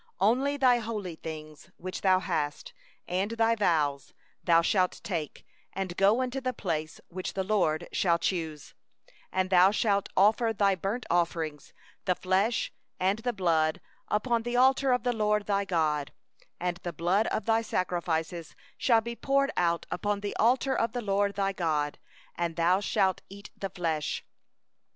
26Only thy holy things which thou hast, and thy vows, thou shalt take, and go unto the place which the LORD shall choose; 27and thou shalt offer thy burnt offerings, the flesh and the blood, upon the altar of the LORD thy God; and the blood of thy sacrifices shall be poured out against the altar of the LORD thy God, and thou shalt eat the flesh.